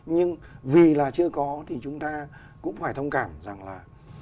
nhưng vì là chưa có thì chúng ta cũng phải thông cảm rằng là